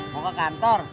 mau ke kantor